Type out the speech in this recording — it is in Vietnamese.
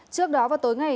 trước đó vào tối ngày